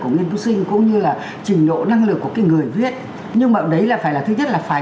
của nghiên cứu sinh cũng như là trình độ năng lực của cái người viết nhưng mà đấy là phải là thứ nhất là phải